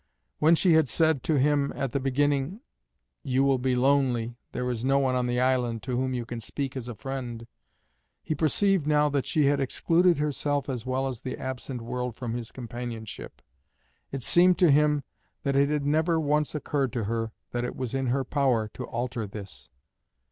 When she had said to him at the beginning, "You will be lonely; there is no one on the island to whom you can speak as a friend," he perceived now that she had excluded herself as well as the absent world from his companionship. It seemed to him that it had never once occurred to her that it was in her power to alter this.